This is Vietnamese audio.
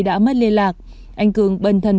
đã mất liên lạc anh cường bần thần